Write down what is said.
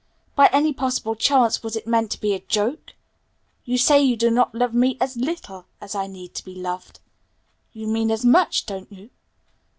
By any possible chance was it meant to be a joke? You say you do not love me 'as little' as I need to be loved. You mean 'as much', don't you?